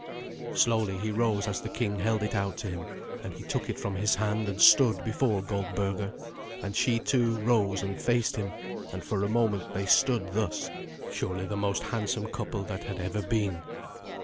Slowly he rose as the king held it out to him, and he took it from his hand and stood before Goldberga; and she, too, rose and faced him, and for a moment they stood thus, surely the most handsome couple that had ever been.